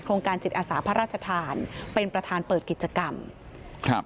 การจิตอาสาพระราชทานเป็นประธานเปิดกิจกรรมครับ